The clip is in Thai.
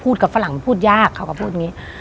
กับฝรั่งพูดยากเขาก็พูดอย่างนี้